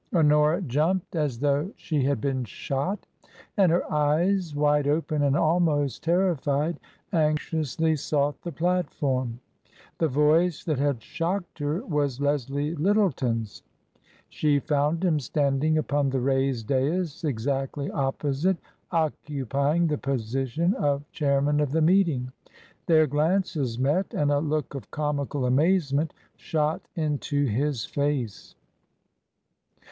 Honora jumped as TRANSITION. 99 though she had been shot, and her eyes, wide open and almost terrified, anxiously sought the platform. The voice that had shocked her was Leslie Lyttle ton's. She found him standing upon the raised dais exactly opposite, occupying the position of chairman of the meeting. Their glances met, and a look of comical amazement shot into his face.